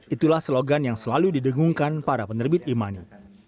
itulah slogan yang selalu didengungkan para penerbit imani